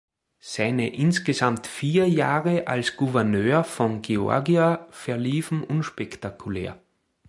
Seine insgesamt vier Jahre als Gouverneur von Georgia verliefen unspektakulär.